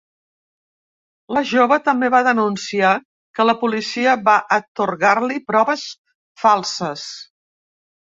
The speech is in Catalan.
La jove també va denunciar que la policia va atorgar-li proves falses.